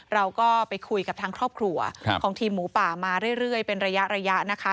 เราก็ไปคุยกับทางครอบครัวของทีมหมูป่ามาเรื่อยเป็นระยะนะคะ